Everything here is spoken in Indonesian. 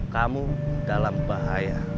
kamu dalam bahaya